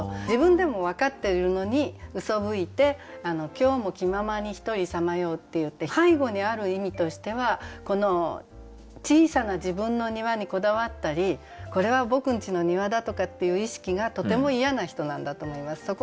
自分でも分かっているのに「うそぶいて今日も気ままにひとりさまよう」っていって背後にある意味としては小さな自分の庭にこだわったりこれは僕んちの庭だとかっていう意識がとても嫌な人なんだと思います。